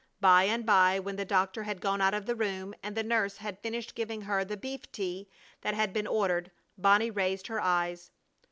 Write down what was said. By and by, when the doctor had gone out of the room and the nurse had finished giving her the beef tea that had been ordered, Bonnie raised her eyes.